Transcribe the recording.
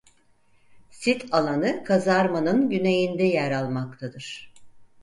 Sit alanı Kazarman'ın güneyinde yer almaktadır.